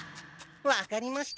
分かりました。